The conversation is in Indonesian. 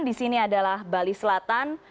di sini adalah bali selatan